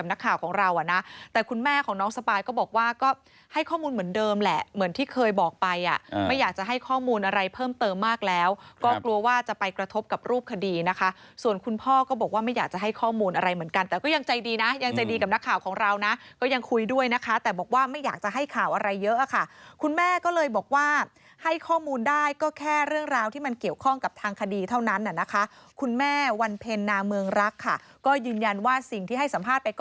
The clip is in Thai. นะคะส่วนคุณพ่อก็บอกว่าไม่อยากจะให้ข้อมูลอะไรเหมือนกันแต่ก็ยังใจดีนะยังใจดีกับนักข่าวของเรานะก็ยังคุยด้วยนะคะแต่บอกว่าไม่อยากจะให้ข่าวอะไรเยอะอ่ะค่ะคุณแม่ก็เลยบอกว่าให้ข้อมูลได้ก็แค่เรื่องราวที่มันเกี่ยวข้องกับทางคดีเท่านั้นอ่ะนะคะคุณแม่วันเพลงนามเมืองรักค่ะก็ยืนยันว่าสิ่งที่ให้ส